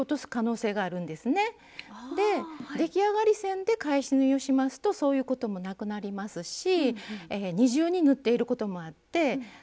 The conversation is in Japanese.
出来上がり線で返し縫いをしますとそういうこともなくなりますし二重に縫っていることもあってバッグの強度がアップします。